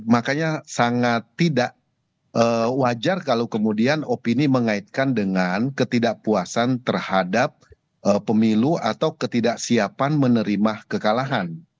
makanya sangat tidak wajar kalau kemudian opini mengaitkan dengan ketidakpuasan terhadap pemilu atau ketidaksiapan menerima kekalahan